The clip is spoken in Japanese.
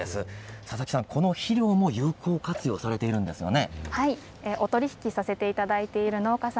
佐々木さん、この肥料も有効活用されているんですよね。